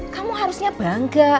kamu harusnya bangga